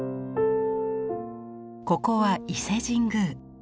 ここは伊勢神宮。